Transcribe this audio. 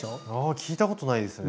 聞いたことないですね。